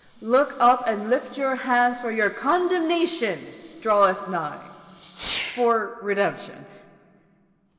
Luke xxi. 28. Look up, and lift up your hands, for your condemnation draweth nigh for redemption.